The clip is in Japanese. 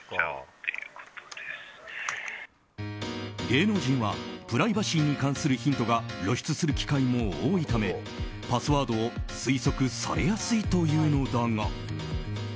芸能人はプライバシーに関するヒントが露出する機会も多いためパスワードを推測されやすいというのだが。